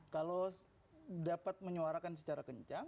kalau dapat menyuarakan secara kencang